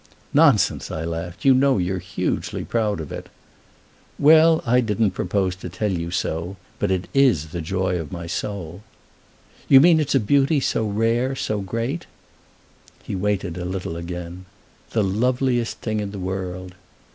"Nonsense!" I laughed. "You know you're hugely proud of it." "Well, I didn't propose to tell you so; but it is the joy of my soul!" "You mean it's a beauty so rare, so great?" He waited a little again. "The loveliest thing in the world!"